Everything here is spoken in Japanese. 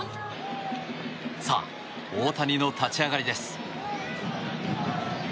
さあ、大谷の立ち上がりです。